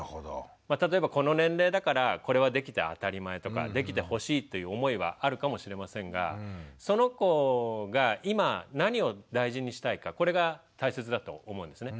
例えばこの年齢だからこれはできて当たり前とかできてほしいっていう思いはあるかもしれませんがその子が今何を大事にしたいかこれが大切だと思うんですね。